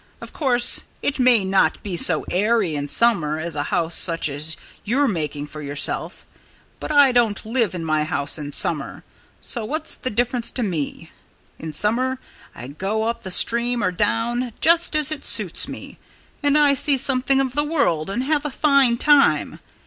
Of course, it may not be so airy in summer as a house such as you're making for yourself. But I don't live in my house in summer. So what's the difference to me? In summer I go up the stream, or down just as it suits me and I see something of the world and have a fine time.